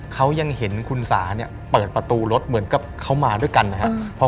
เขายังเห็นคุณสาเนี่ยเปิดประตูรถเหมือนกับเขามาด้วยกันนะครับ